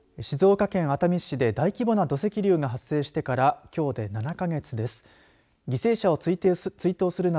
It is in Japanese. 静岡県熱海市で大規模な土石流が発生してからきょうで７か月です。